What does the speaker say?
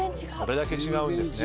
これだけ違うんですね。